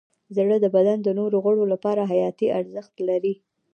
زړه د بدن د نورو غړو لپاره حیاتي ارزښت لري.